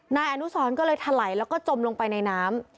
นายอนุสรก็เลยถลายแล้วก็จมลงไปในน้ำ